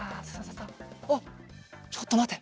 あっちょっとまて。